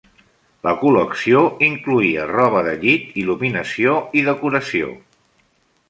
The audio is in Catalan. La col·lecció incloïa roba de llit, il·luminació i decoració.